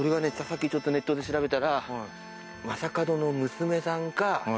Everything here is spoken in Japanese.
さっきちょっとネットで調べたら将門の娘さんか。